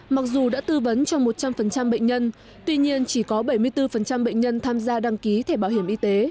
mặc dù đã tư vấn cho một trăm linh bệnh nhân tuy nhiên chỉ có bảy mươi bốn bệnh nhân tham gia đăng ký thẻ bảo hiểm y tế